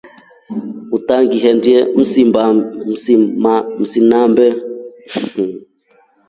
Utangindelye msinambe.